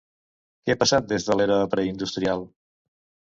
Què ha passat des de l'era preindustrial?